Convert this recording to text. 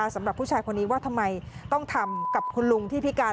สำหรับผู้ชายคนนี้ว่าทำไมต้องทำกับคุณลุงที่พิการ